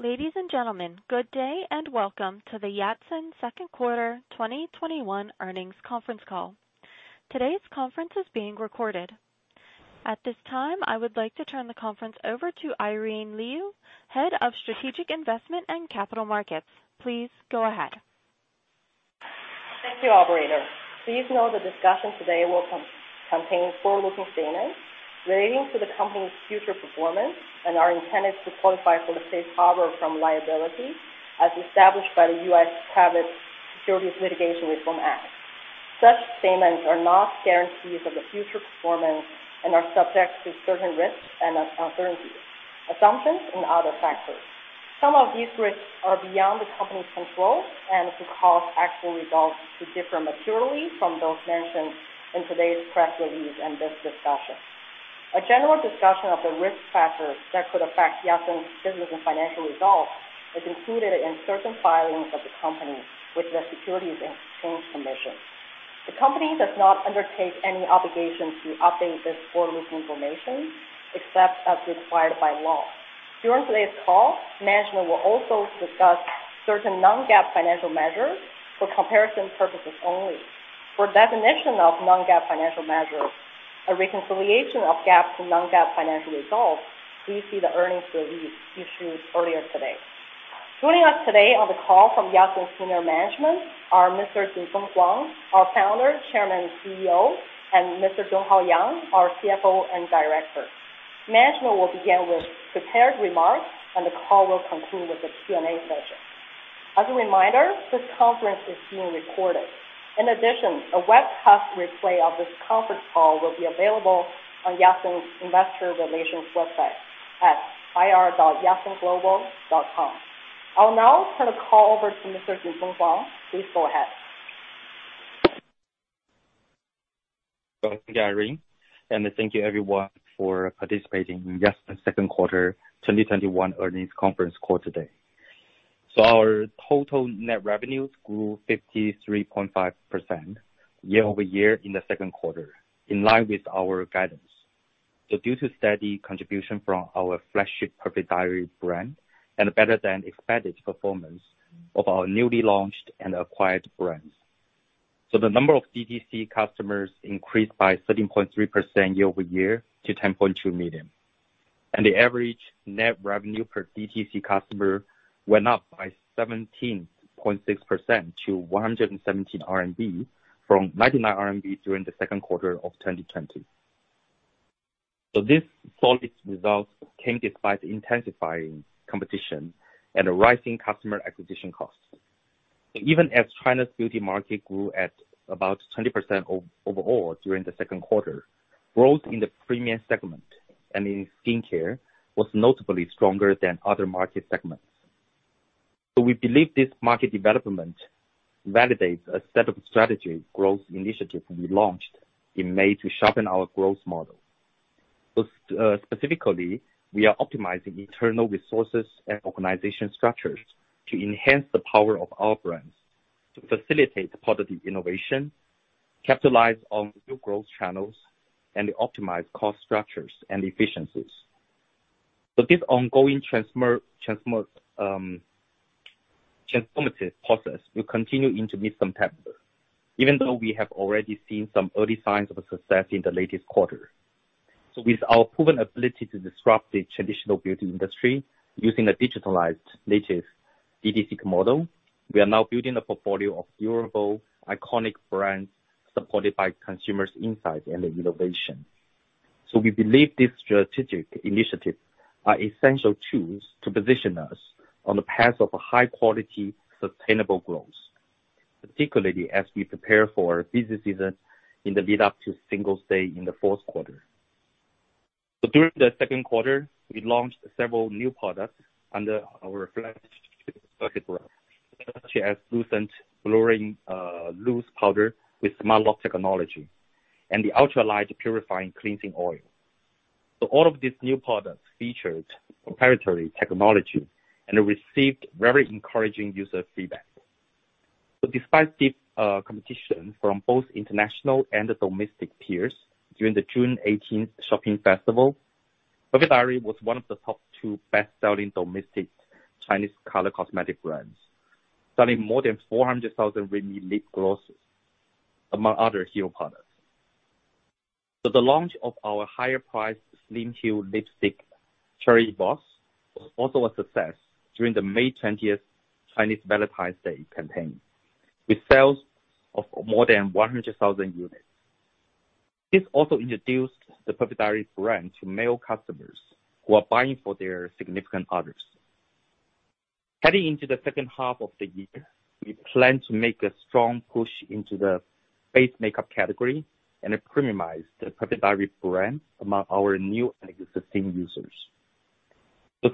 Ladies and gentlemen, good day and welcome to the Yatsen second quarter 2021 earnings conference call. Today's conference is being recorded. At this time, I would like to turn the conference over to Irene Lyu, Head of Strategic Investment and Capital Markets. Please go ahead. Thank you, operator. Please note the discussion today will contain forward-looking statements relating to the company's future performance and are intended to qualify for the safe harbor from liability, as established by the U.S. Private Securities Litigation Reform Act. Such statements are not guarantees of the future performance and are subject to certain risks and uncertainties, assumptions, and other factors. Some of these risks are beyond the company's control and could cause actual results to differ materially from those mentioned in today's press release and this discussion. A general discussion of the risk factors that could affect Yatsen's business and financial results is included in certain filings of the company with the Securities and Exchange Commission. The company does not undertake any obligation to update this forward-looking information, except as required by law. During today's call, management will also discuss certain non-GAAP financial measures for comparison purposes only. For definition of non-GAAP financial measures, a reconciliation of GAAP to non-GAAP financial results, please see the earnings release issued earlier today. Joining us today on the call from Yatsen senior management are Mr. Jinfeng Huang, our founder, Chairman, and CEO, and Mr. Donghao Yang, our CFO and Director. Management will begin with prepared remarks, the call will continue with the Q&A session. As a reminder, this conference is being recorded. A webcast replay of this conference call will be available on Yatsen's investor relations website at ir.yatsenglobal.com. I'll now turn the call over to Mr. Jinfeng Huang. Please go ahead. Thank you, Irene, and thank you everyone for participating in Yatsen's second quarter 2021 earnings conference call today. Our total net revenues grew 53.5% year-over-year in the second quarter, in line with our guidance, due to steady contribution from our flagship Perfect Diary brand and better than expected performance of our newly launched and acquired brands. The number of DTC customers increased by 13.3% year-over-year to 10.2 million. The average net revenue per DTC customer went up by 17.6% to 117 RMB from 99 RMB during the second quarter of 2020. This solid result came despite intensifying competition and rising customer acquisition costs. Even as China's beauty market grew at about 20% overall during the second quarter, growth in the premium segment and in skincare was notably stronger than other market segments. We believe this market development validates a set of strategy growth initiatives we launched in May to sharpen our growth model. Specifically, we are optimizing internal resources and organization structures to enhance the power of our brands, to facilitate positive innovation, capitalize on new growth channels, and optimize cost structures and efficiencies. This ongoing transformative process will continue into mid-September, even though we have already seen some early signs of success in the latest quarter. With our proven ability to disrupt the traditional beauty industry using a digitalized native DTC model, we are now building a portfolio of durable, iconic brands supported by consumers' insights and innovation. We believe these strategic initiatives are essential tools to position us on the path of a high-quality, sustainable growth, particularly as we prepare for busy season in the lead up to Singles' Day in the fourth quarter. During the second quarter, we launched several new products under our flagship Perfect Diary brand, such as Translucent Blurring Loose Powder with Smart Lock technology and the Ultra Light Purifying Cleansing Oil. All of these new products featured proprietary technology and received very encouraging user feedback. Despite stiff competition from both international and domestic peers during the June 18th shopping festival, Perfect Diary was one of the top two best-selling domestic Chinese color cosmetic brands, selling more than 400,000 ReadMe lip glosses, among other hero products. The launch of our higher priced Slim Gleam lipstick, Cherry Boss, was also a success during the May 20th Chinese Valentine's Day campaign, with sales of more than 100,000 units. This also introduced the Perfect Diary brand to male customers who are buying for their significant others. Heading into the second half of the year, we plan to make a strong push into the face makeup category and premiumize the Perfect Diary brand among our new and existing users.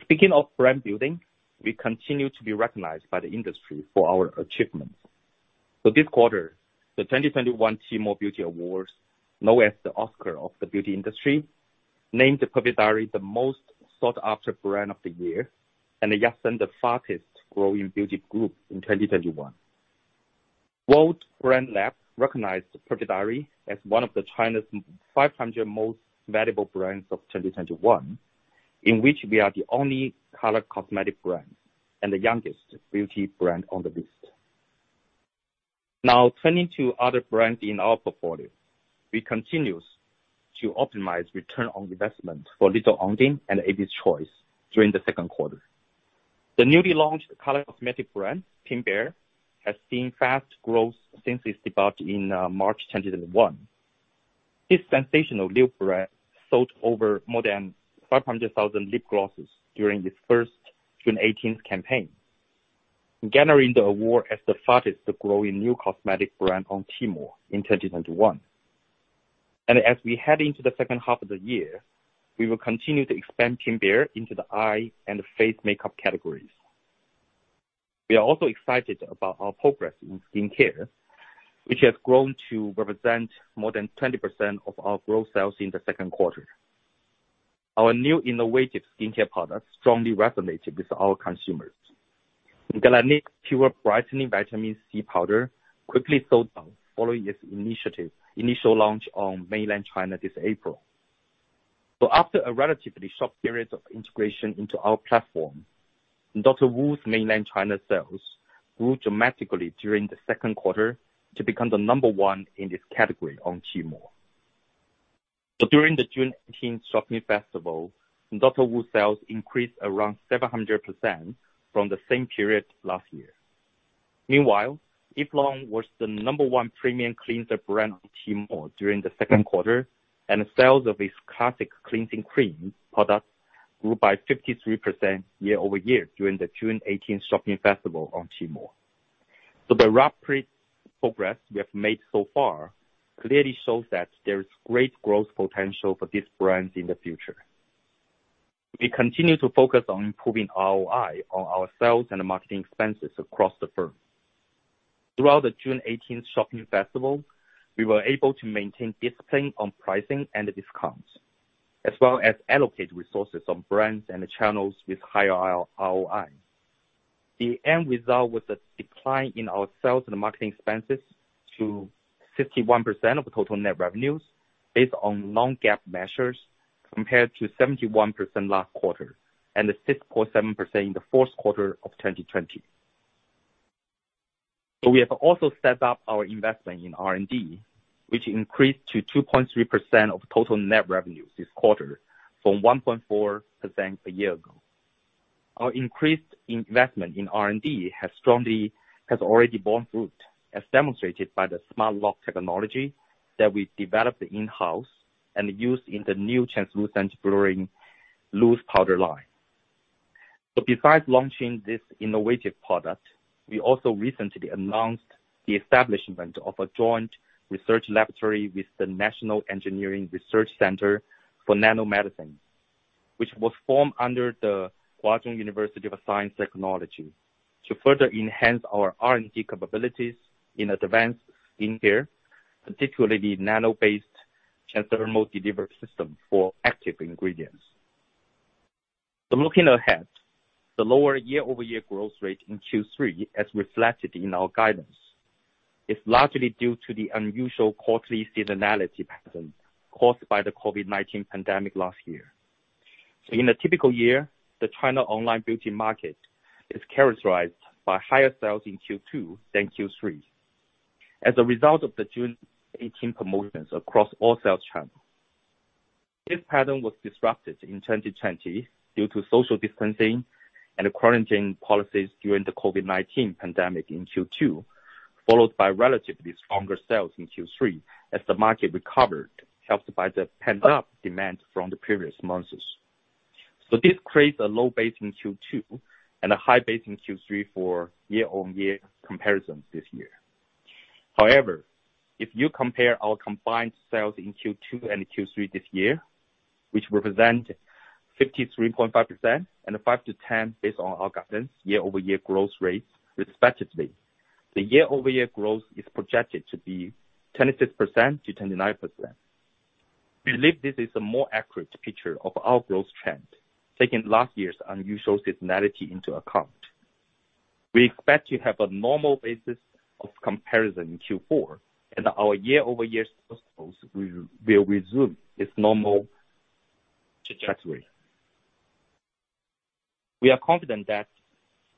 Speaking of brand building, we continue to be recognized by the industry for our achievements. This quarter, the 2021 Tmall Beauty Awards, known as the Oscar of the beauty industry, named Perfect Diary the most sought-after brand of the year and Yatsen the fastest growing beauty group in 2021. World Brand Lab recognized Perfect Diary as one of China's 500 most valuable brands of 2021, in which we are the only color cosmetic brand and the youngest beauty brand on the list. Turning to other brands in our portfolio. We continue to optimize return on investment for Little Ondine and Abby's Choice during the second quarter. The newly launched color cosmetic brand, Pink Bear, has seen fast growth since its debut in March 2021. This sensational lip brand sold over more than 500,000 lip glosses during its first June 18 campaign, garnering the award as the fastest-growing new cosmetic brand on Tmall in 2021. As we head into the second half of the year, we will continue to expand Pink Bear into the eye and face makeup categories. We are also excited about our progress in skincare, which has grown to represent more than 20% of our growth sales in the second quarter. Our new innovative skincare products strongly resonated with our consumers. Galénic Pure Brightening Vitamin C Powder quickly sold out following its initial launch on mainland China this April. After a relatively short period of integration into our platform, Dr. Wu's mainland China sales grew dramatically during the second quarter to become the number one in its category on Tmall. During the June 18 shopping festival, Dr. Wu sales increased around 700% from the same period last year. Meanwhile, Eve Lom was the number one premium cleanser brand on Tmall during the second quarter, and sales of its classic cleansing cream product grew by 53% year-over-year during the June 18 shopping festival on Tmall. The rapid progress we have made so far clearly shows that there is great growth potential for this brand in the future. We continue to focus on improving ROI on our sales and marketing expenses across the firm. Throughout the June 18th shopping festival, we were able to maintain discipline on pricing and discounts, as well as allocate resources on brands and channels with higher ROI. The end result was a decline in our sales and marketing expenses to 51% of total net revenues based on non-GAAP measures, compared to 71% last quarter and 6.7% in the fourth quarter of 2020. We have also stepped up our investment in R&D, which increased to 2.3% of total net revenues this quarter from 1.4% a year ago. Our increased investment in R&D has already borne fruit, as demonstrated by the Smart Lock technology that we developed in-house and used in the new Translucent Blurring Loose Powder line. Besides launching this innovative product, we also recently announced the establishment of a joint research laboratory with the National Engineering Research Center for Nanomedicine, which was formed under the Huazhong University of Science and Technology, to further enhance our R&D capabilities in advanced skincare, particularly nano-based transdermal delivery system for active ingredients. Looking ahead, the lower year-over-year growth rate in Q3 as reflected in our guidance is largely due to the unusual quarterly seasonality pattern caused by the COVID-19 pandemic last year. In a typical year, the China online beauty market is characterized by higher sales in Q2 than Q3 as a result of the June 18 promotions across all sales channels. This pattern was disrupted in 2020 due to social distancing and quarantine policies during the COVID-19 pandemic in Q2, followed by relatively stronger sales in Q3 as the market recovered, helped by the pent-up demand from the previous months. This creates a low base in Q2 and a high base in Q3 for year-on-year comparisons this year. However, if you compare our combined sales in Q2 and Q3 this year, which represent 53.5% and a 5 to 10 based on our guidance year-over-year growth rates respectively, the year-over-year growth is projected to be 26%-29%. We believe this is a more accurate picture of our growth trend, taking last year's unusual seasonality into account. We expect to have a normal basis of comparison in Q4, and our year-over-year growth will resume its normal trajectory. We are confident that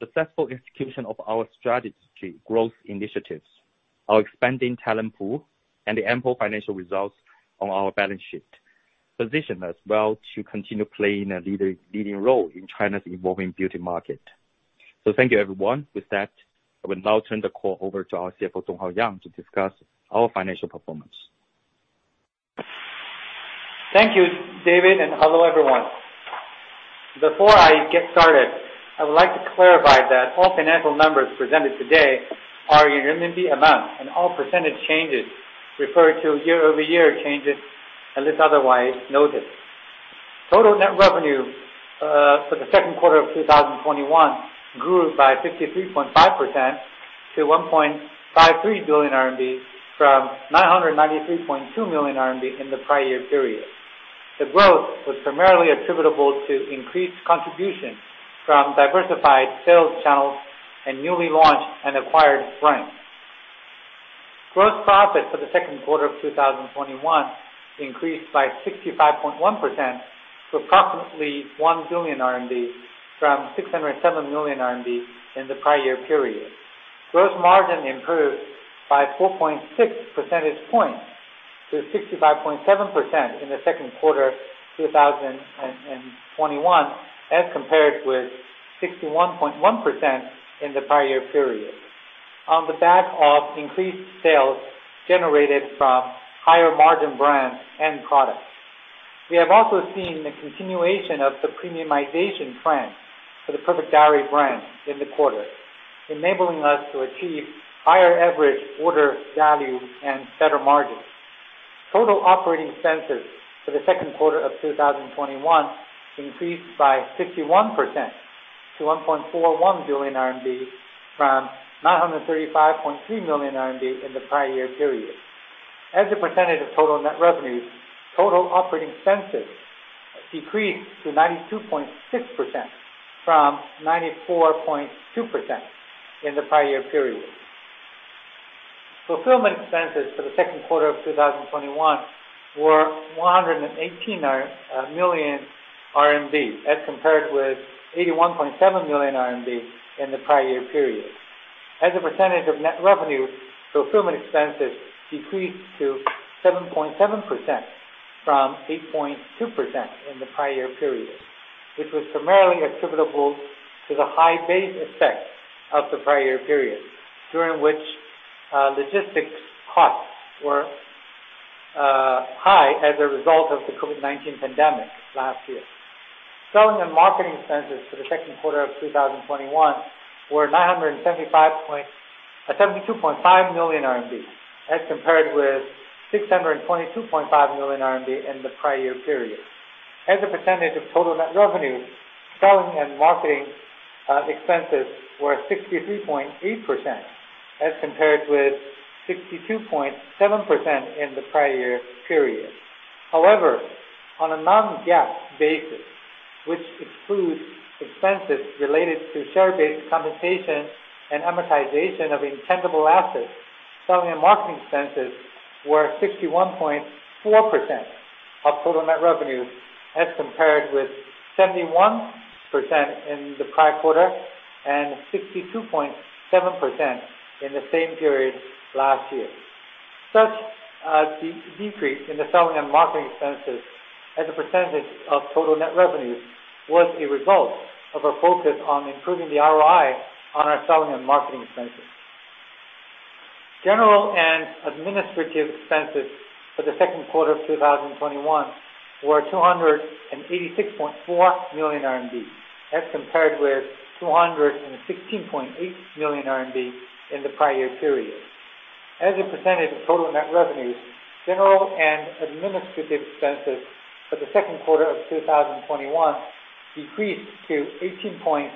successful execution of our strategy growth initiatives, our expanding talent pool, and the ample financial results on our balance sheet position us well to continue playing a leading role in China's evolving beauty market. Thank you, everyone. With that, I will now turn the call over to our CFO, Donghao Yang, to discuss our financial performance. Thank you, David, and hello, everyone. Before I get started, I would like to clarify that all financial numbers presented today are in renminbi amount, and all percentage changes refer to year-over-year changes unless otherwise noted. Total net revenue, for the second quarter of 2021 grew by 53.5% to 1.53 billion RMB, from 993.2 million RMB in the prior year period. The growth was primarily attributable to increased contributions from diversified sales channels and newly launched and acquired brands. Gross profit for the second quarter of 2021 increased by 65.1% to approximately 1 billion RMB from 607 million RMB in the prior year period. Gross margin improved by 4.6 percentage points to 65.7% in the second quarter 2021, as compared with 61.1% in the prior year period. On the back of increased sales generated from higher margin brands and products, we have also seen the continuation of the premiumization trend for the Perfect Diary brand in the quarter, enabling us to achieve higher average order value and better margins. Total operating expenses for the second quarter of 2021 increased by 61% to 1.41 billion RMB from 935.3 million RMB in the prior year period. As a percentage of total net revenues, total operating expenses decreased to 92.6%, from 94.2% in the prior year period. Fulfillment expenses for the second quarter of 2021 were 118 million RMB as compared with 81.7 million RMB in the prior year period. As a percentage of net revenue, fulfillment expenses decreased to 7.7% from 8.2% in the prior year period, which was primarily attributable to the high base effect of the prior year period, during which logistics costs were high as a result of the COVID-19 pandemic last year. Selling and marketing expenses for the second quarter of 2021 were 972.5 million RMB as compared with 622.5 million RMB in the prior year period. As a percentage of total net revenues, selling and marketing expenses were 63.8%, as compared with 62.7% in the prior year period. However, on a non-GAAP basis, which excludes expenses related to share-based compensation and amortization of intangible assets, selling and marketing expenses were 61.4% of total net revenues as compared with 71% in the prior quarter and 62.7% in the same period last year. Such a decrease in the selling and marketing expenses as a percentage of total net revenues was a result of our focus on improving the ROI on our selling and marketing expenses. General and administrative expenses for the second quarter of 2021 were 286.4 million RMB, as compared with 216.8 million RMB in the prior year period. As a percentage of total net revenues, general and administrative expenses for the second quarter of 2021 decreased to 18.8%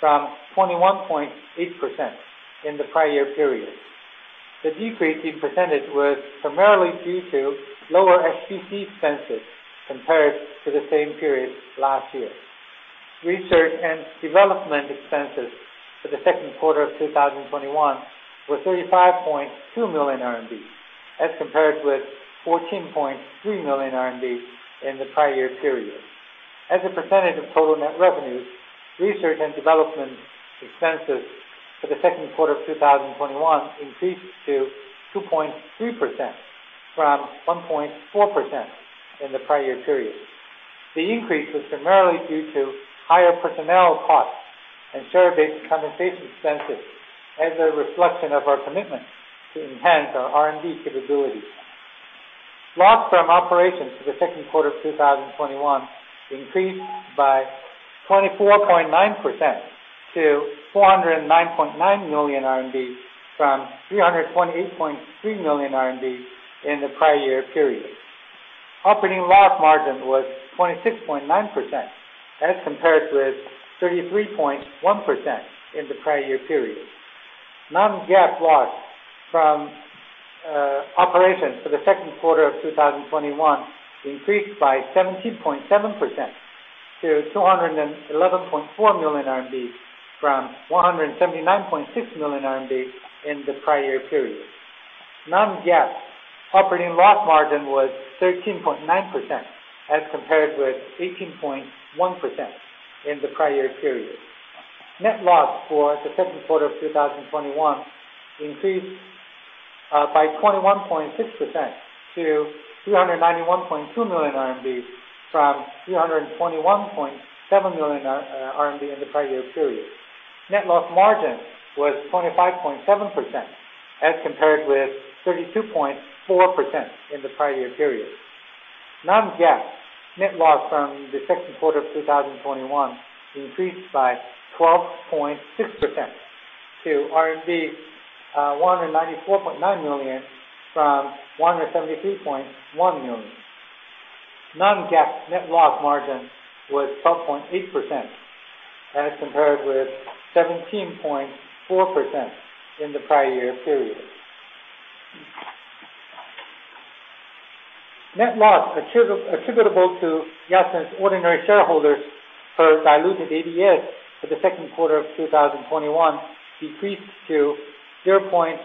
from 21.8% in the prior year period. The decrease in percentage was primarily due to lower SBC expenses compared to the same period last year. Research and development expenses for the second quarter of 2021 were 35.2 million RMB as compared with 14.3 million RMB in the prior year period. As a percentage of total net revenues, research and development expenses for the second quarter of 2021 increased to 2.3% from 1.4% in the prior year period. The increase was primarily due to higher personnel costs and share-based compensation expenses as a reflection of our commitment to enhance our R&D capabilities. Loss from operations for the second quarter of 2021 increased by 24.9% to 409.9 million RMB from 328.3 million RMB in the prior year period. Operating loss margin was 26.9% as compared with 33.1% in the prior year period. Non-GAAP loss from operations for the second quarter of 2021 increased by 17.7% to RMB 211.4 million from RMB 179.6 million in the prior year period. Non-GAAP operating loss margin was 13.9% as compared with 18.1% in the prior year period. Net loss for the second quarter of 2021 increased by 21.6% to RMB 391.2 million from RMB 321.7 million in the prior year period. Net loss margin was 25.7% as compared with 32.4% in the prior year period. Non-GAAP net loss from the second quarter of 2021 increased by 12.6% to RMB 194.9 million from 173.1 million. Non-GAAP net loss margin was 12.8%. As compared with 17.4% in the prior year period. Net loss attributable to Yatsen's ordinary shareholders per diluted ADS for the second quarter of 2021 decreased to 0.62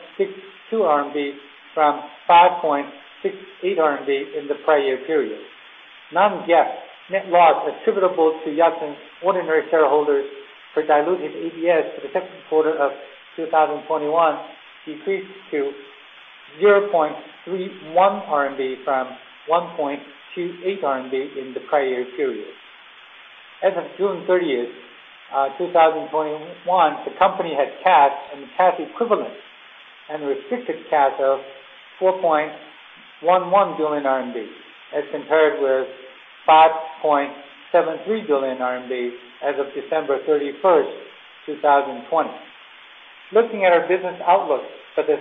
RMB from 5.68 RMB in the prior year period. Non-GAAP net loss attributable to Yatsen ordinary shareholders per diluted ADS for the second quarter of 2021 decreased to 0.31 RMB from 1.28 RMB in the prior year period. As of June 30th, 2021, the company had cash and cash equivalents and restricted cash of 4.11 billion RMB, as compared with 5.73 billion RMB as of December 31st, 2020. Looking at our business outlook for this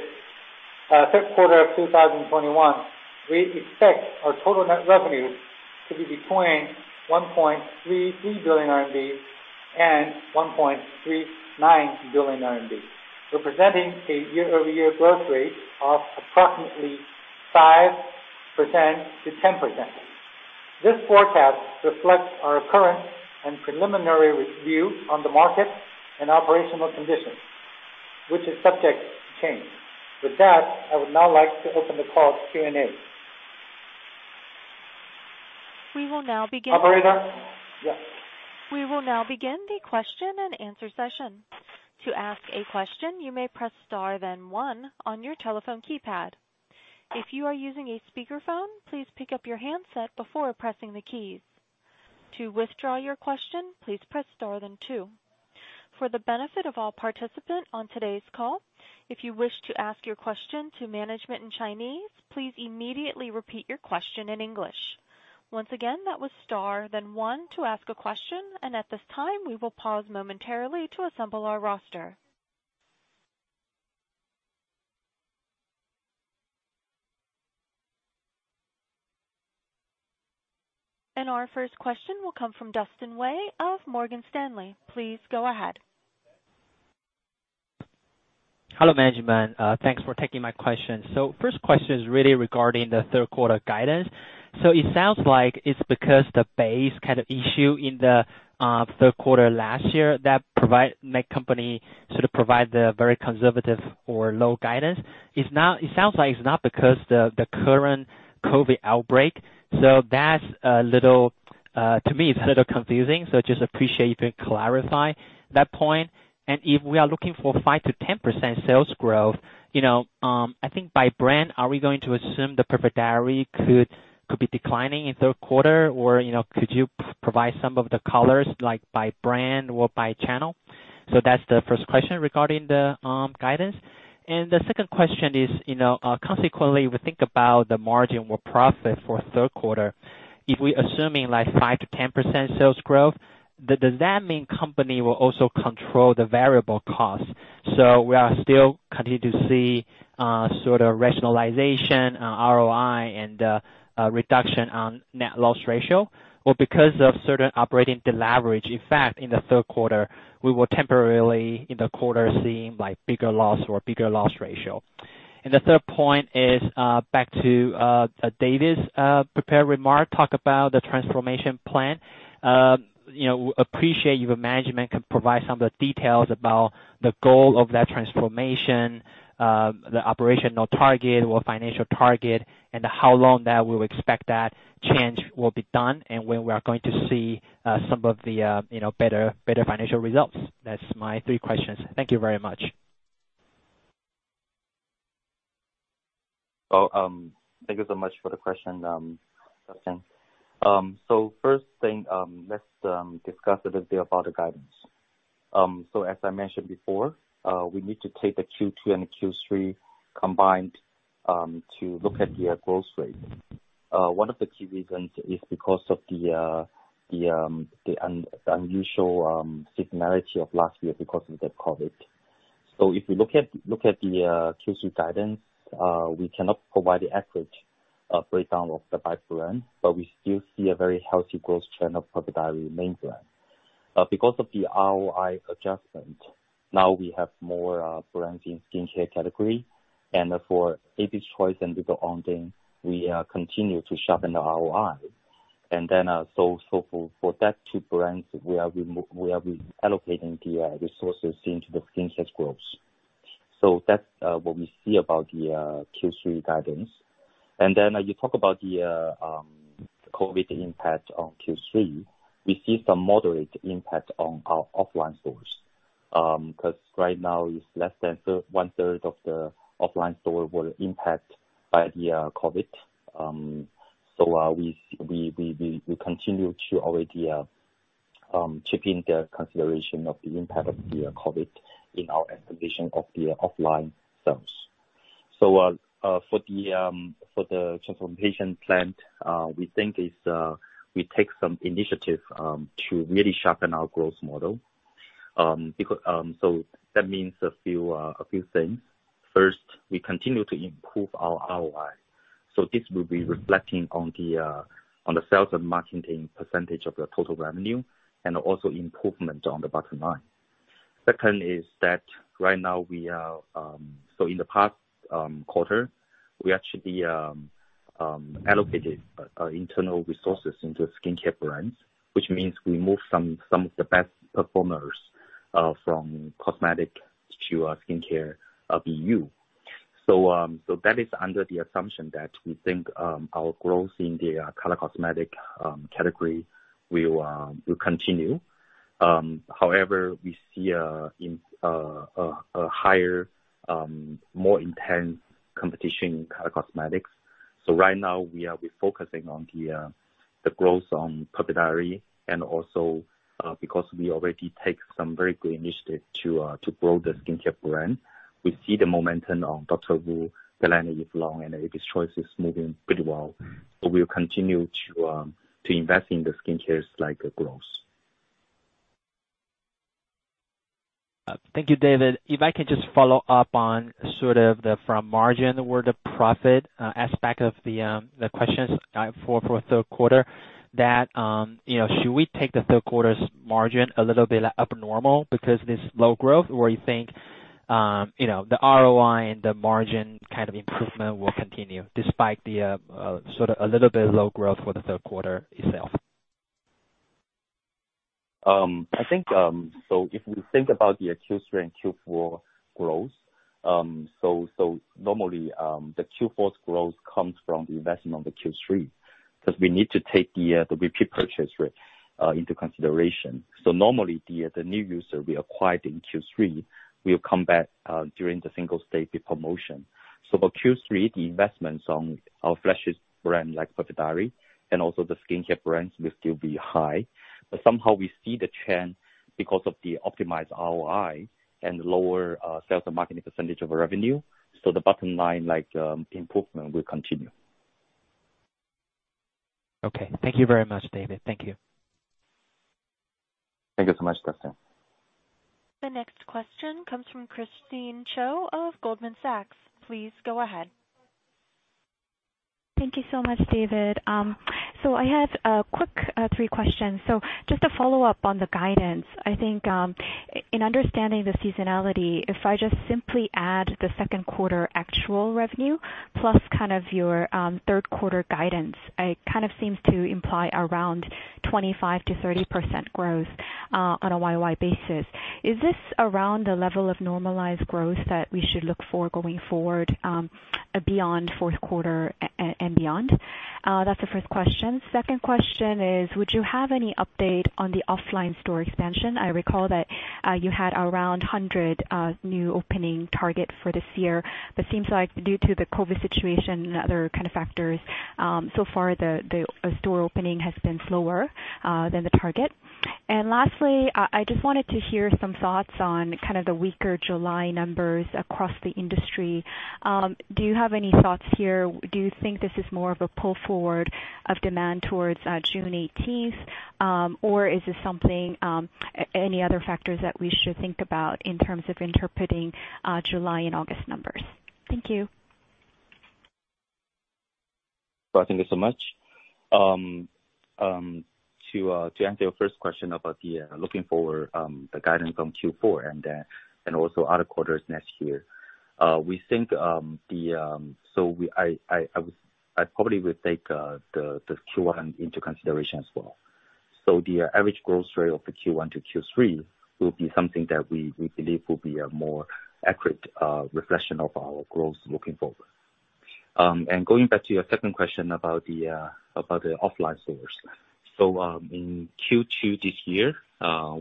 third quarter of 2021, we expect our total net revenues to be between 1.33 billion RMB and 1.39 billion RMB, representing a year-over-year growth rate of approximately 5% to 10%. This forecast reflects our current and preliminary view on the market and operational conditions, which is subject to change. With that, I would now like to open the call to Q&A. We will now begin. Operator? Yeah. We will now begin the question and answer session. To ask a question, you may press star then one on your telephone keypad. If you are using a speakerphone, please pick up your handset before pressing the keys. To withdraw your question, please press star then two. For the benefit of all participants on today's call, if you wish to ask your question to management in Chinese, please immediately repeat your question in English. Once again, that was star then Dustin Wei of Morgan Stanley. Please go ahead. Hello, management. Thanks for taking my question. First question is really regarding the third quarter guidance. It sounds like it's because of the base issue in the third quarter last year that made the company provide the very conservative or low guidance. It sounds like it's not because of the current COVID outbreak. To me, it's a little confusing, just appreciate if you clarify that point. If we are looking for 5%-10% sales growth, I think by brand, are we going to assume the Perfect Diary could be declining in the third quarter? Or could you provide some of the colors, by brand or by channel? That's the first question regarding the guidance. The second question is, consequently, we think about the margin or profit for the third quarter. If we are assuming 5% to 10% sales growth, does that mean the company will also control the variable cost? We are still continuing to see rationalization, ROI, and the reduction on net loss ratio? Because of certain operating deleverage effects in the third quarter, we will temporarily, in the quarter, see a bigger loss or bigger loss ratio. The third point is back to David's prepared remark, talk about the transformation plan. Appreciate if management can provide some of the details about the goal of that transformation, the operational target or financial target, and how long that we will expect that change will be done, and when we are going to see some of the better financial results. That's my three questions. Thank you very much. Thank you so much for the question, Dustin. First thing, let's discuss a little bit about the guidance. As I mentioned before, we need to take the Q2 and Q3 combined to look at the growth rate. One of the key reasons is because of the unusual seasonality of last year because of the COVID. If you look at the Q2 guidance, we cannot provide the accurate breakdown of the buy brand, but we still see a very healthy growth trend of Perfect Diary main brand. Because of the ROI adjustment, now we have more brands in skin care category, and for Abby's Choice and Little Ondine, we continue to sharpen the ROI. For that two brands, we are reallocating the resources into the skin test groups. That's what we see about the Q3 guidance. As you talk about the COVID impact on Q3, we see some moderate impact on our offline stores. Right now it's less than one-third of the offline stores were impacted by the COVID. We continue to already check in the consideration of the impact of the COVID in our estimation of the offline sales. For the transformation plan, we think we take some initiative to really sharpen our growth model. That means a few things. First, we continue to improve our ROI. This will be reflecting on the sales and marketing percentage of the total revenue and also improvement on the bottom line. Second is that right now, in the past quarter, we actually allocated internal resources into skincare brands, which means we moved some of the best performers from color cosmetic to skincare BU. That is under the assumption that we think our growth in the color cosmetic category will continue. However, we see a higher, more intense competition in color cosmetics. Right now we are refocusing on the growth on Perfect Diary. Also, because we already take some very good initiatives to grow the skincare brand, we see the momentum on Dr. Wu, the line is long and Abby's Choice is moving pretty well. We will continue to invest in the skincare growth. Thank you, David. I can just follow up on sort of from margin where the profit aspect of the questions for 3rd quarter that should we take the 3rd quarter's margin a little bit up normal because this low growth or you think the ROI and the margin kind of improvement will continue despite the sort of a little bit low growth for the 3rd quarter itself? If we think about the Q3 and Q4 growth. Normally, the Q4's growth comes from the investment on the Q3 because we need to take the repeat purchase rate into consideration. Normally, the new user we acquired in Q3 will come back during the Singles' Day promotion. For Q3, the investments on our flashes brand like Perfect Diary and also the skincare brands will still be high. Somehow we see the trend because of the optimized ROI and lower sales and marketing % of revenue. The bottom line improvement will continue. Okay. Thank you very much, David. Thank you. Thank you so much, Dustin Wei. The next question comes from Christine Cho of Goldman Sachs. Please go ahead. Thank you so much, David. I had a quick 3 questions. Just to follow up on the guidance, I think in understanding the seasonality, if I just simply add the second quarter actual revenue plus kind of your third quarter guidance, it kind of seems to imply around 25%-30% growth on a YOY basis. Is this around the level of normalized growth that we should look for going forward beyond fourth quarter and beyond? That's the first question. Second question is, would you have any update on the offline store expansion? I recall that you had around 100 new opening target for this year, but seems like due to the COVID situation and other kind of factors, so far the store opening has been slower than the target. Lastly, I just wanted to hear some thoughts on kind of the weaker July numbers across the industry. Do you have any thoughts here? Do you think this is more of a pull forward of demand towards June 18th? Or is this something, any other factors that we should think about in terms of interpreting July and August numbers? Thank you. Thank you so much. To answer your first question about the looking forward, the guidance on Q4 and also other quarters next year. I probably would take the Q1 into consideration as well. The average growth rate of the Q1 to Q3 will be something that we believe will be a more accurate reflection of our growth looking forward. Going back to your second question about the offline stores. In Q2 this year,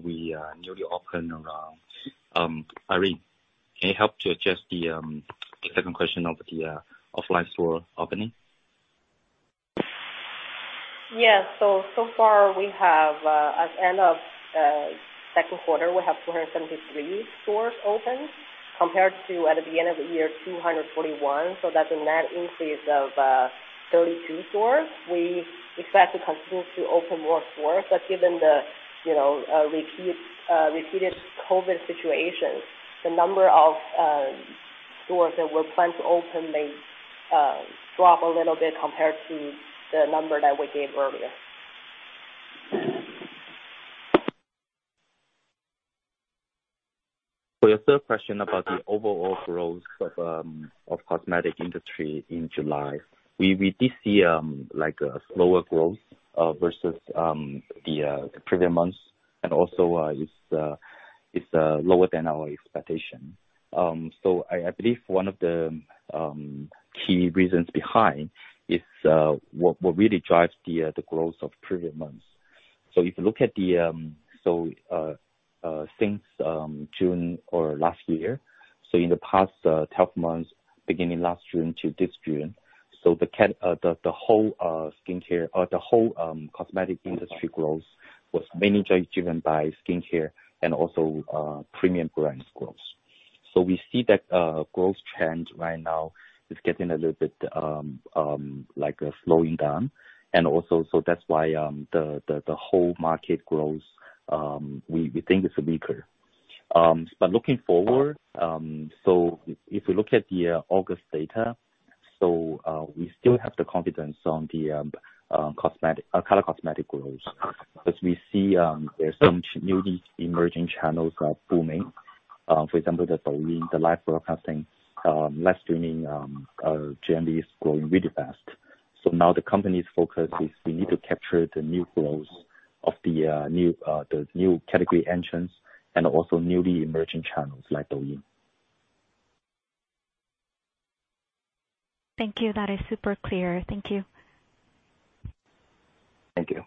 we newly opened around Irene, can you help to address the second question of the offline store opening? Yeah. So far we have as end of second quarter, we have 273 stores open compared to at the end of the year 241. That's a net increase of 32 stores. We expect to continue to open more stores, but given the repeated COVID situation, the number of stores that were planned to open may drop a little bit compared to the number that we gave earlier. For your third question about the overall growth of cosmetics industry in July. We did see a slower growth versus the previous months and also it's lower than our expectation. I believe one of the key reasons behind is what really drives the growth of previous months. If you look at since June or last year, in the past 12 months, beginning last June to this June. The whole cosmetics industry growth was mainly driven by skincare and also premium brands growth. So we see that growth trend right now is getting a little bit slowing down. Also, that's why the whole market growth, we think it's weaker. Looking forward, if we look at the August data, we still have the confidence on the color cosmetics growth. Because we see there's some newly emerging channels are booming. For example, the Douyin, the live broadcasting, live streaming, GMV is growing really fast. Now the company's focus is we need to capture the new growth of the new category entrance and also newly emerging channels like Douyin. Thank you. That is super clear. Thank you. Thank you.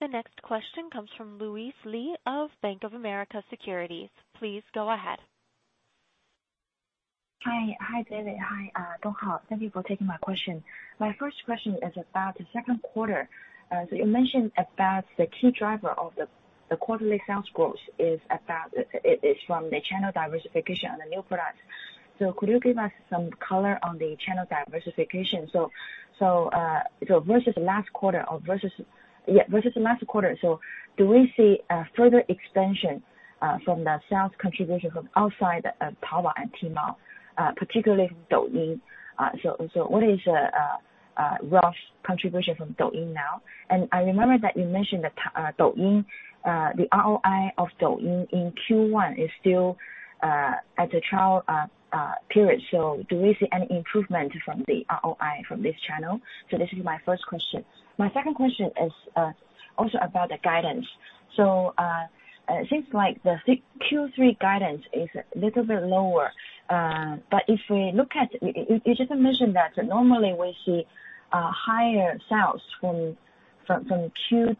The next question comes from Louise Lee of Bank of America Securities. Please go ahead. Hi, David. Hi, Donghao. Thank you for taking my question. My 1st question is about the 2nd quarter. You mentioned about the key driver of the quarterly sales growth is from the channel diversification on the new product. Could you give us some color on the channel diversification? Versus last quarter, do we see a further extension from the sales contribution from outside Taobao and Tmall, particularly from Douyin? What is the rough contribution from Douyin now? I remember that you mentioned that the ROI of Douyin in Q1 is still at the trial period. Do we see any improvement from the ROI from this channel? This is my 1st question. My 2nd question is also about the guidance. It seems like the Q3 guidance is a little bit lower. You just mentioned that normally we see higher sales from Q2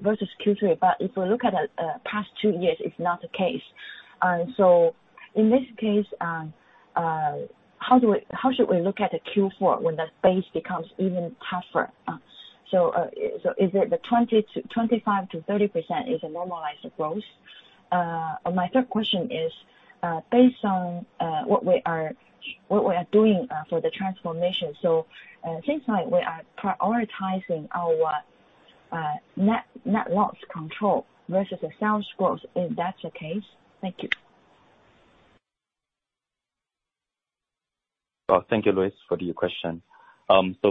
versus Q3. If we look at the past 2 years, it's not the case. In this case, how should we look at the Q4 when the base becomes even tougher? Is it the 25%-30% is a normalized growth? My third question is, based on what we are doing for the transformation, it seems like we are prioritizing our net loss control versus the sales growth. Is that the case? Thank you. Thank you, Louise, for your question.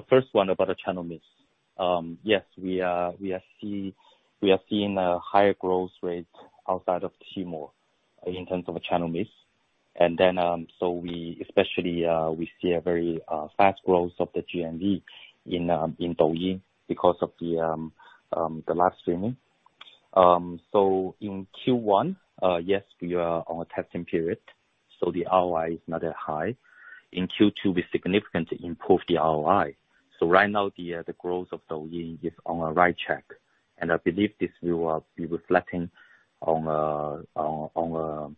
First one about the channel mix. Yes, we are seeing a higher growth rate outside of Tmall in terms of channel mix. Especially, we see a very fast growth of the GMV in Douyin because of the live streaming. In Q1, yes, we are on a testing period, so the ROI is not that high. In Q2, we significantly improved the ROI. Right now, the growth of Douyin is on the right track, and I believe this will be reflecting on a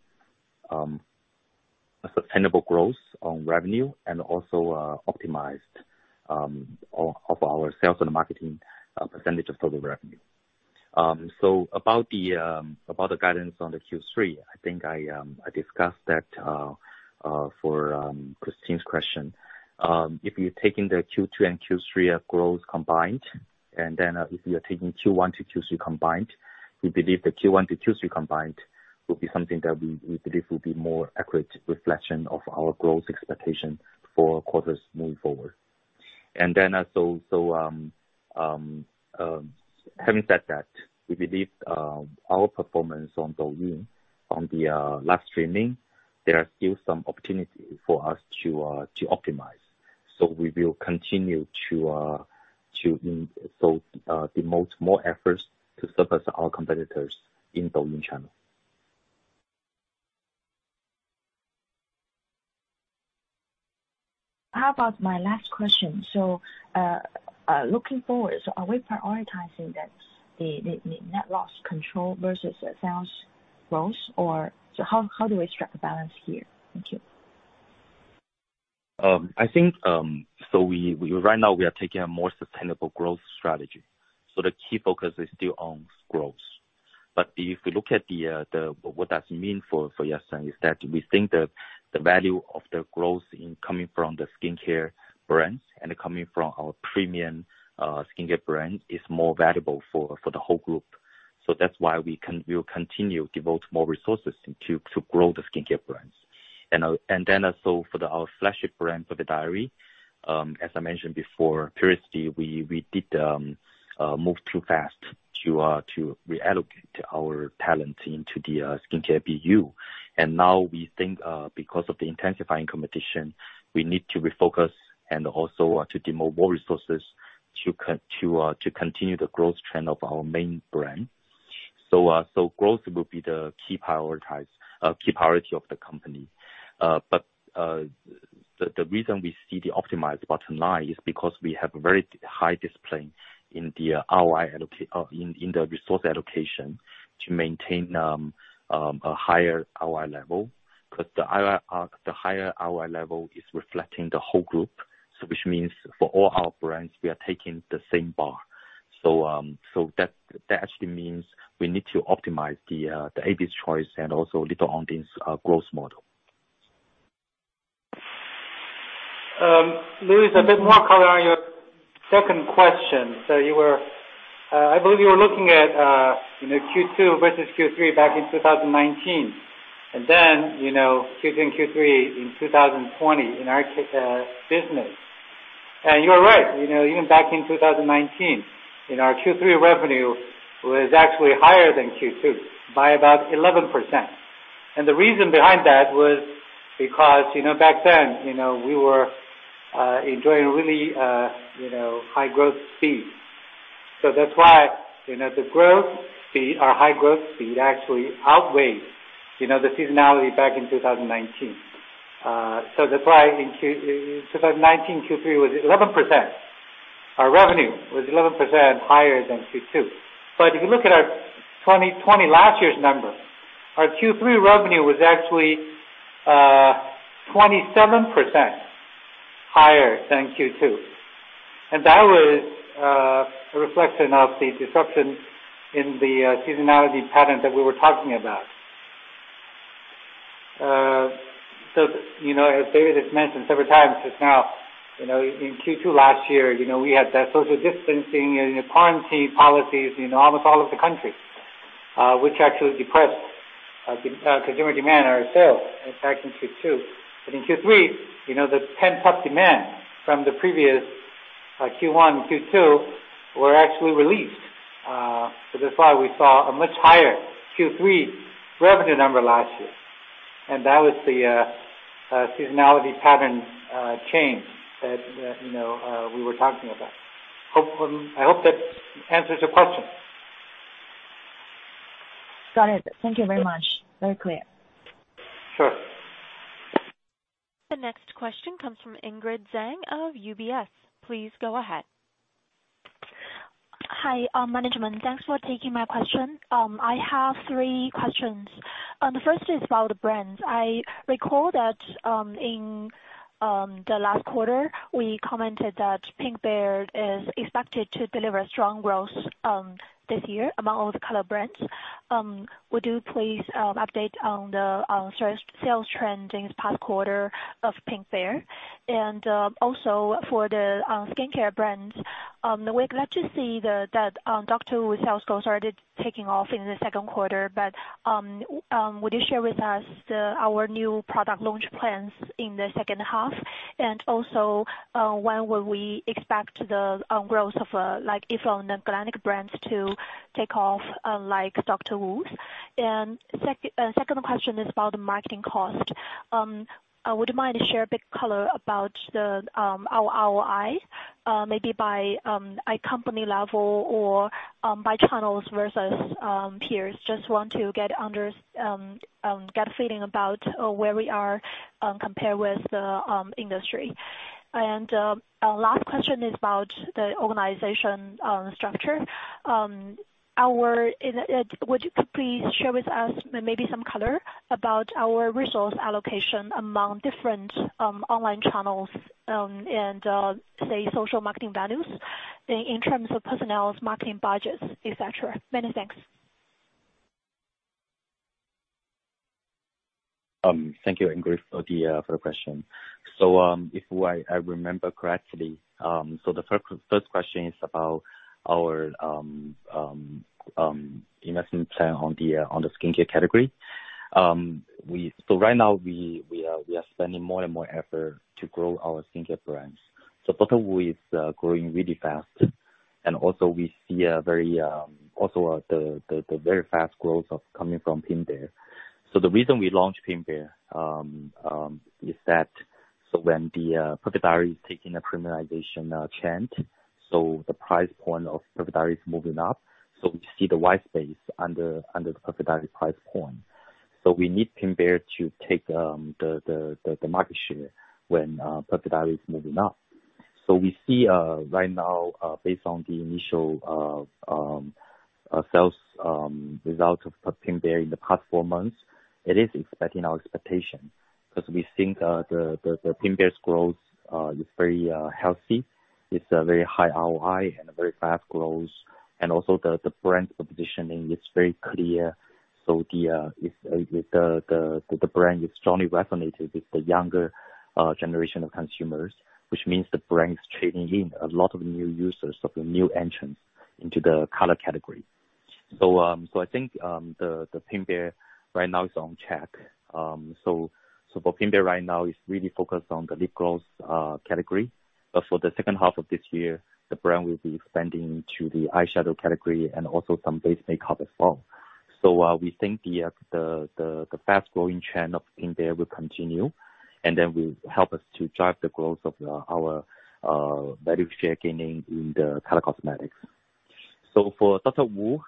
sustainable growth on revenue and also optimized of our sales and marketing percentage of total revenue. About the guidance on the Q3, I think I discussed that for Christine's question. If you're taking the Q2 and Q3 growth combined, and then if you are taking Q1 to Q3 combined, we believe the Q1 to Q3 combined will be something that we believe will be more accurate reflection of our growth expectation for quarters moving forward. Having said that, we believe our performance on Douyin, on the live streaming, there are still some opportunities for us to optimize. We will continue to devote more efforts to surpass our competitors in Douyin channel. How about my last question? Looking forward, are we prioritizing the net loss control versus sales growth? How do we strike a balance here? Thank you. Right now, we are taking a more sustainable growth strategy. The key focus is still on growth. If you look at what that means for Yatsen, we think the value of the growth coming from the skincare brands and coming from our premium skincare brand is more valuable for the whole group. That's why we will continue to devote more resources to grow the skincare brands. For our flagship brand for the diary, as I mentioned before, Perfect Diary, we did move too fast to reallocate our talents into the skincare BU. Now, we think because of the intensifying competition, we need to refocus and also to devote more resources to continue the growth trend of our main brand. Growth will be the key priority of the company. The reason we see the optimized bottom line is because we have very high discipline in the resource allocation to maintain a higher ROI level. The higher ROI level is reflecting the whole group, which means for all our brands, we are taking the same bar. That actually means we need to optimize the Abby's Choice and also Little Ondine's growth model. Louise, a bit more color on your second question. I believe you were looking at Q2 versus Q3 back in 2019, and then Q2 and Q3 in 2020 in our business. You are right. Even back in 2019, our Q3 revenue was actually higher than Q2 by about 11%. The reason behind that was because back then, we were enjoying really high growth speed. That's why the growth speed or high growth speed actually outweighs the seasonality back in 2019. That's why in 2019 Q3 was 11%. Our revenue was 11% higher than Q2. If you look at our 2020 last year's number, our Q3 revenue was actually 27% higher than Q2. That was a reflection of the disruption in the seasonality pattern that we were talking about. As David has mentioned several times just now, in Q2 last year, we had that social distancing and quarantine policies in almost all of the country, which actually depressed consumer demand and our sales back in Q2. In Q3, the pent-up demand from the previous Q1, Q2 were actually released. That's why we saw a much higher Q3 revenue number last year. That was the seasonality pattern change that we were talking about. I hope that answers your question. Got it. Thank you very much. Very clear. Sure. The next question comes from Ingrid Zeng of UBS. Please go ahead. Hi, management. Thanks for taking my question. I have three questions. The first is about the brands. I recall that in the last quarter, we commented that Pink Bear is expected to deliver strong growth this year among all the color brands. Would you please update on the sales trend in this past quarter of Pink Bear? Also for the skincare brands, we're glad to see that Dr. Wu sales growth started taking off in the second quarter. Would you share with us our new product launch plans in the second half? Also, when will we expect the growth of our organic brands to take off like Dr. Wu? Second question is about the marketing cost. Would you mind share a bit color about our ROI, maybe by company level or by channels versus peers? Just want to get a feeling about where we are compared with the industry. Last question is about the organization structure. Would you please share with us maybe some color about our resource allocation among different online channels, and say, social marketing values in terms of personnel, marketing budgets, et cetera? Many thanks. Thank you, Ingrid, for the question. If I remember correctly, the first question is about our investment plan on the skincare category. Right now we are spending more and more effort to grow our skincare brands. Dr. Wu is growing really fast. Also we see the very fast growth coming from Pink Bear. The reason we launched Pink Bear is that when the Perfect Diary is taking a premiumization trend, the price point of Perfect Diary is moving up. We see the wide space under the Perfect Diary price point. We need Pink Bear to take the market share when Perfect Diary is moving up. We see right now based on the initial sales result of Pink Bear in the past four months, it is exceeding our expectation, because we think the Pink Bear's growth is very healthy. It's a very high ROI and a very fast growth. The brand positioning is very clear. The brand is strongly resonated with the younger generation of consumers, which means the brand is trading in a lot of new users or the new entrants into the color category. I think the Pink Bear right now is on track. For Pink Bear right now is really focused on the lip gloss category. For the second half of this year, the brand will be expanding to the eyeshadow category and also some base makeup as well. We think the fast-growing trend of Pink Bear will continue, will help us to drive the growth of our value share gaining in the color cosmetics. For Dr. Wu,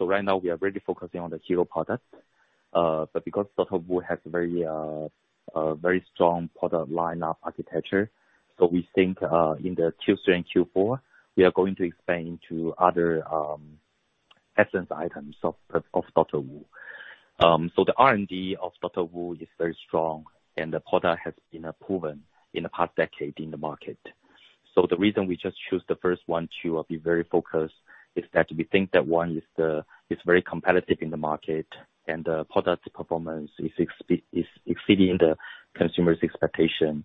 right now we are really focusing on the hero product. Because Dr. Wu has a very strong product lineup architecture, we think in the Q3 and Q4, we are going to expand into other essence items of Dr. Wu. The R&D of Dr. Wu is very strong, and the product has been proven in the past decade in the market. The reason we just choose the first 1 to be very focused is that we think that 1 is very competitive in the market, and the product performance is exceeding the consumer's expectation.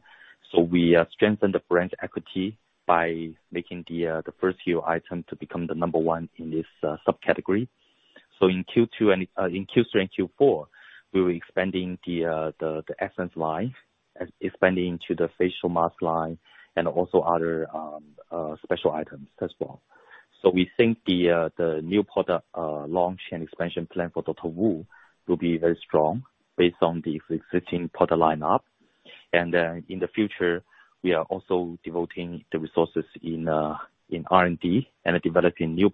We strengthen the brand equity by making the first few items to become the number 1 in this subcategory. In Q3 and Q4, we were expanding the essence line, expanding to the facial mask line, and also other special items as well. We think the new product launch and expansion plan for Dr. Wu will be very strong based on the existing product lineup. In the future, we are also devoting the resources in R&D and developing new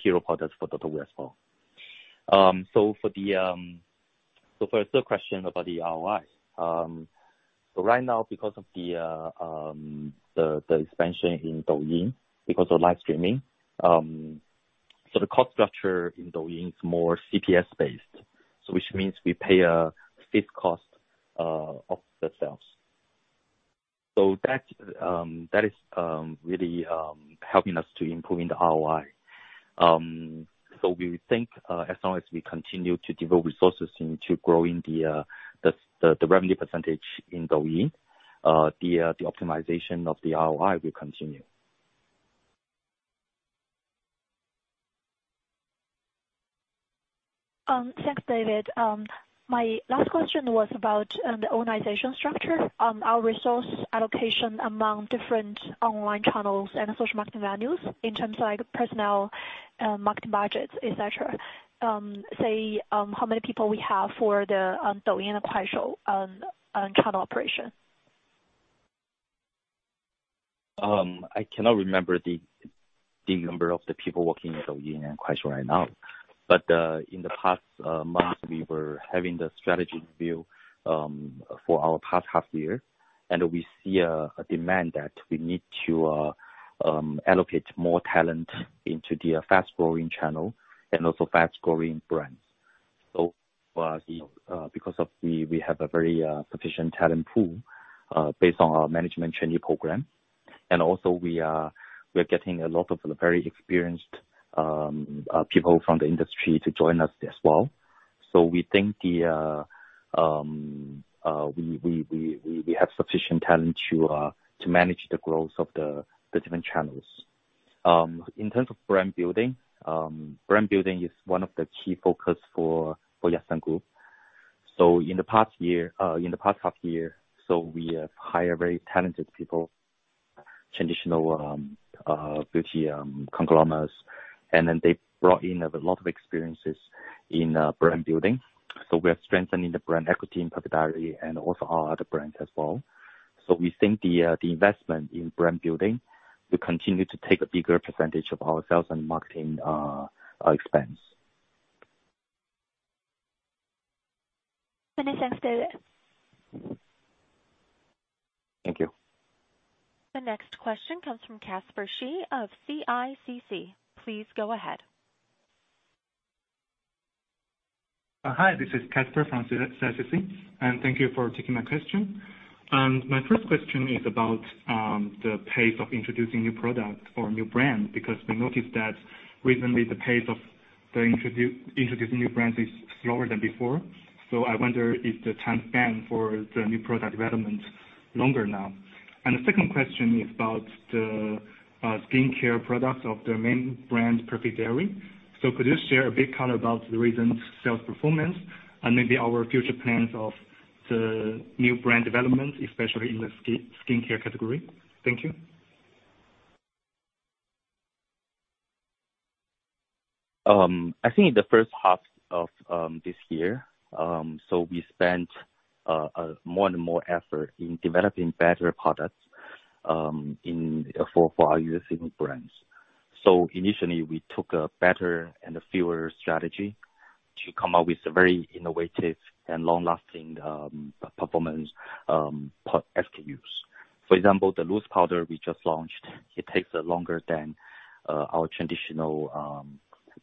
hero products for Dr. Wu as well. For the third question about the ROI. Right now, because of the expansion in Douyin, because of live streaming. The cost structure in Douyin is more CPS based, so which means we pay a fixed cost of the sales. That is really helping us to improve the ROI. We think as long as we continue to devote resources into growing the revenue percentage in Douyin, the optimization of the ROI will continue. Thanks, David. My last question was about the organization structure. Our resource allocation among different online channels and social marketing venues in terms of personnel, marketing budgets, et cetera. Say, how many people we have for the Douyin and Kuaishou on channel operation? I cannot remember the number of the people working in Douyin and Kuaishou right now. In the past month, we were having the strategy view for our past half year, and we see a demand that we need to allocate more talent into the fast-growing channel and also fast-growing brands. Because we have a very sufficient talent pool based on our management trainee program. Also we are getting a lot of very experienced people from the industry to join us as well. We think we have sufficient talent to manage the growth of the different channels. In terms of brand building, brand building is one of the key focus for Yatsen Group. In the past half year, we have hired very talented people, traditional beauty conglomerates, and then they brought in a lot of experiences in brand building. We are strengthening the brand equity in Perfect Diary and also our other brands as well. We think the investment in brand building will continue to take a bigger percentage of our sales and marketing expense. Many thanks, David. Thank you. The next question comes from Casper Shi of CICC. Please go ahead. Hi, this is Casper from CICC. Thank you for taking my question. My first question is about the pace of introducing new product or new brand, because we noticed that recently the pace of introducing new brands is slower than before. I wonder if the time span for the new product development longer now. The second question is about the skincare products of the main brand, Perfect Diary. Could you share a bit, kind of about the recent sales performance and maybe our future plans of the new brand development, especially in the skincare category? Thank you. I think in the first half of this year, we spent more and more effort in developing better products for our existing brands. Initially, we took a better and a fewer strategy to come up with a very innovative and long-lasting performance SKUs. For example, the loose powder we just launched, it takes longer than our traditional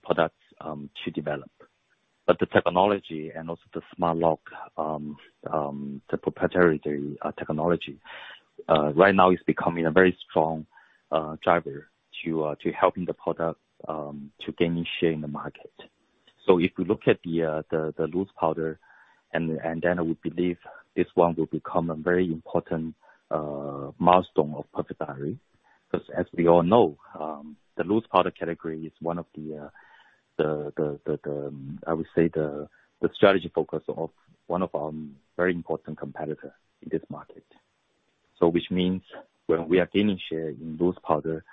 products to develop. The technology and also the Smart Lock, the proprietary technology, right now is becoming a very strong driver to helping the product to gain share in the market. If you look at the loose powder, and then we believe this one will become a very important milestone of Perfect Diary. Because as we all know, the loose powder category is one of the, I would say the strategy focus of one of our very important competitor in this market. Which means when we are gaining share in loose powder,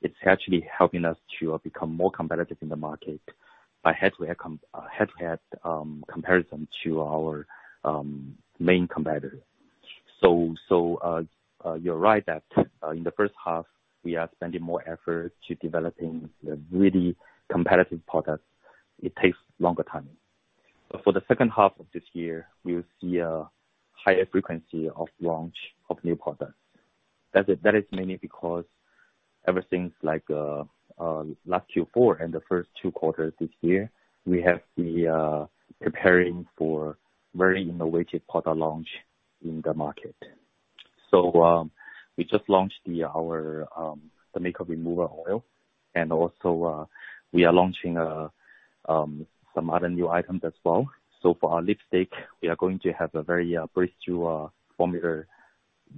it's actually helping us to become more competitive in the market by head-to-head comparison to our main competitor. You're right that in the first half, we are spending more effort to developing a really competitive product. It takes longer time. For the second half of this year, we'll see a higher frequency of launch of new products. That is mainly because ever since last Q4 and the first two quarters this year, we have been preparing for very innovative product launch in the market. We just launched the makeup remover oil, and also we are launching some other new items as well. For our lipstick, we are going to have a very breakthrough formula,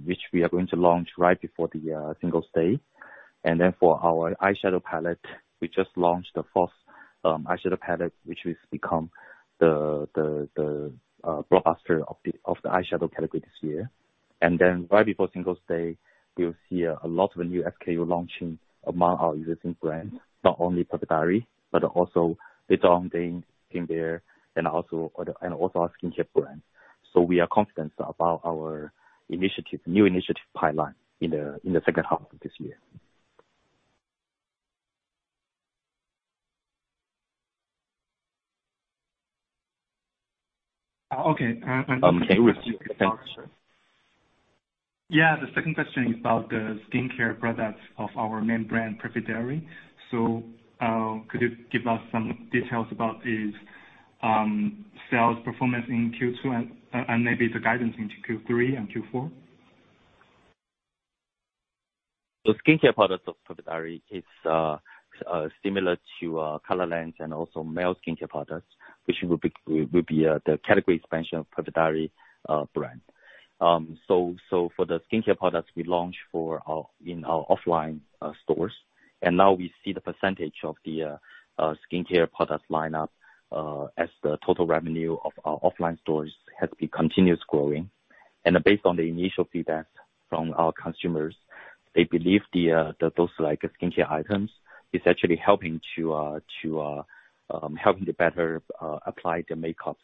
which we are going to launch right before the Singles' Day. For our eyeshadow palette, we just launched the first eyeshadow palette, which has become the blockbuster of the eyeshadow category this year. Right before Singles' Day, we'll see a lot of new SKU launching among our existing brands, not only Perfect Diary, but also Little Ondine, Galénic, and also our skincare brand. We are confident about our new initiative pipeline in the second half of this year. Okay. David? Yeah. The second question is about the skincare products of our main brand, Perfect Diary. Could you give us some details about its sales performance in Q2 and maybe the guidance into Q3 and Q4? The skincare products of Perfect Diary is similar to color lens and also male skincare products, which will be the category expansion of Perfect Diary brand. For the skincare products, we launch in our offline stores. Now we see the % of the skincare products line up as the total revenue of our offline stores has been continuous growing. Based on the initial feedback from our consumers, they believe that those skincare items is actually helping to better apply their makeup.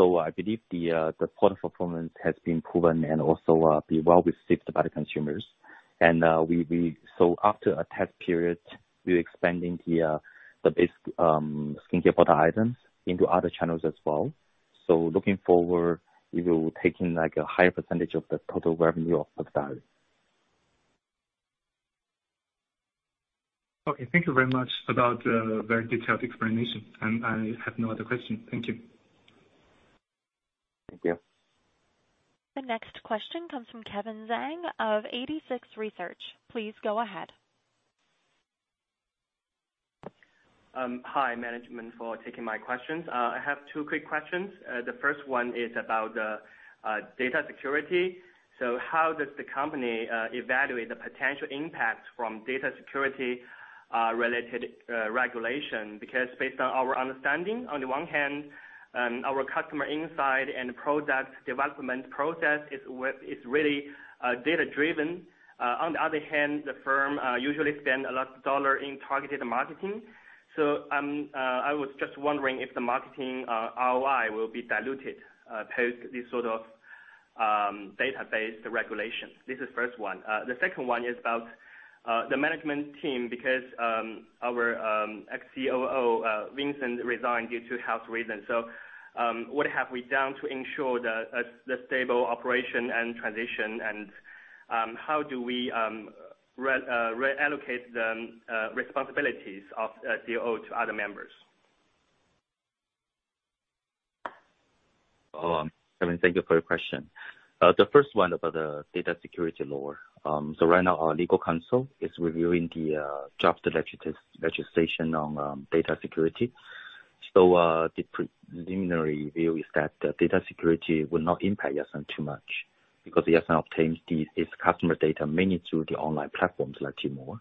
I believe the product performance has been proven and also be well received by the consumers. After a test period, we're expanding the basic skincare product items into other channels as well. Looking forward, it will taking a higher % of the total revenue of Perfect Diary. Okay. Thank you very much about the very detailed explanation. I have no other question. Thank you. Thank you. The next question comes from Kevin Zhang of 86Research. Please go ahead. Hi, management, for taking my questions. I have 2 quick questions. The first one is about data security. How does the company evaluate the potential impact from data security-related regulation? Based on our understanding, on the one hand, our customer insight and product development process is really data-driven. On the other hand, the firm usually spend a lot of dollar in targeted marketing. I was just wondering if the marketing ROI will be diluted post this sort of database regulation. This is first one. The second one is about the management team, because our ex-COO, Vincent, resigned due to health reasons. What have we done to ensure the stable operation and transition, and how do we reallocate the responsibilities of COO to other members? Kevin, thank you for your question. The first one about the data security law. Right now, our legal counsel is reviewing the draft legislation on data security. The preliminary view is that data security will not impact us too much because we have now obtained this customer data mainly through the online platforms like Tmall.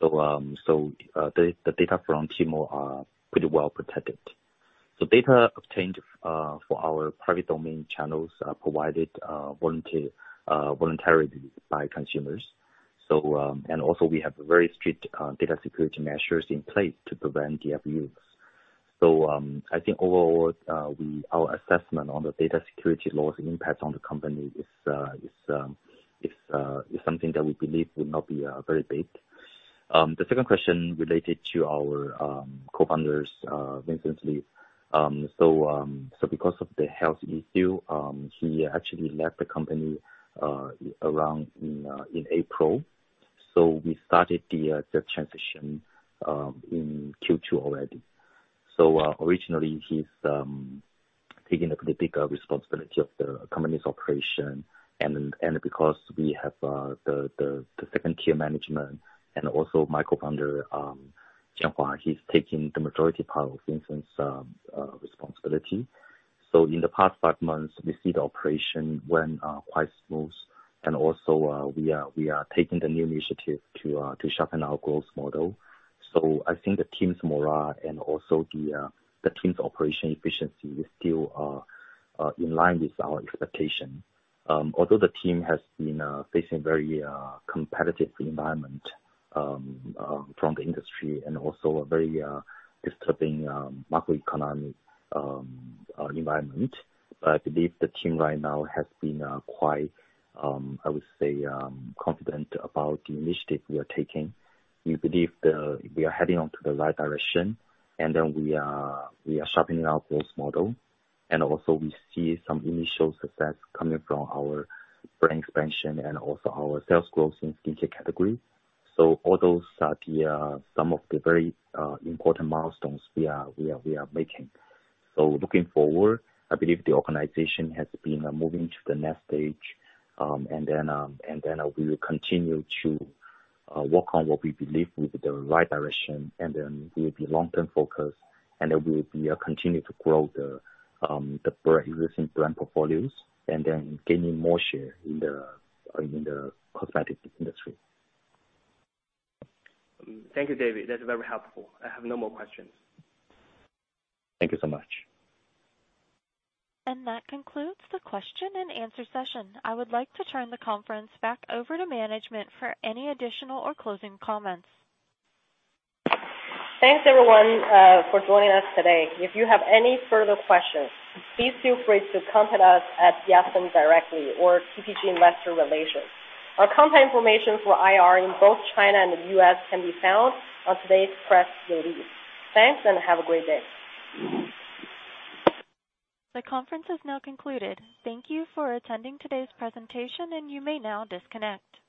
The data from Tmall are pretty well protected. Data obtained for our private domain channels are provided voluntarily by consumers. We have very strict data security measures in place to prevent the abuse. I think overall, our assessment on the data security laws impact on the company is something that we believe will not be very big. The second question related to our co-founder, Yuwen Chen. Because of the health issue, he actually left the company around in April. We started the transition in Q2 already. Originally, he's taking the bigger responsibility of the company's operation. Because we have the second tier management and also my co-founder, Jianhua Lyu, he's taking the majority part of Vincent's responsibility. In the past five months, we see the operation went quite smooth. Also, we are taking the new initiative to sharpen our growth model. I think the team's morale and also the team's operation efficiency is still in line with our expectation. The team has been facing very competitive environment from the industry and also a very disturbing macroeconomic environment, I believe the team right now has been quite, I would say, confident about the initiative we are taking. We believe we are heading onto the right direction, we are sharpening our growth model. Also we see some initial success coming from our brand expansion and also our sales growth in skincare category. All those are some of the very important milestones we are making. Looking forward, I believe the organization has been moving to the next stage, we will continue to work on what we believe will be the right direction, we'll be long-term focused, we will be continue to grow the existing brand portfolios and then gaining more share in the cosmetics industry. Thank you, David. That's very helpful. I have no more questions. Thank you so much. That concludes the question and answer session. I would like to turn the conference back over to management for any additional or closing comments. Thanks, everyone, for joining us today. If you have any further questions, please feel free to contact us at Yatsen directly or TPG Investor Relations. Our contact information for IR in both China and the U.S. can be found on today's press release. Thanks, and have a great day. The conference is now concluded. Thank you for attending today's presentation, and you may now disconnect.